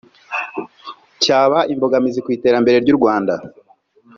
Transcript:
cyaba imbogamizi ku iterambere ry’u Rwanda